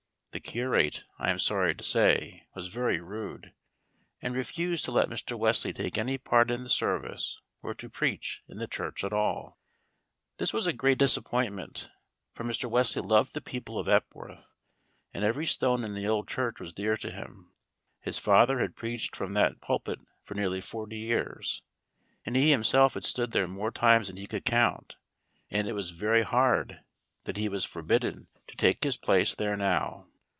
The curate, I am sorry to say, was very rude, and refused to let Mr. Wesley take any part in the service or to preach in the church at all. This was a great disappointment, for Mr. Wesley loved the people of Epworth, and every stone in the old church was dear to him. His father had preached from that pulpit for nearly forty years, and he himself had stood there more times than he could count, and it was very hard that he was forbidden to take his place there now.